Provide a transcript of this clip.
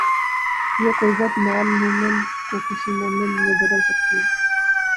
یہ قربت non movement کو کسی موومنٹ میں بدل سکتی ہے۔